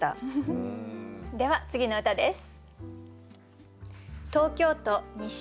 では次の歌です。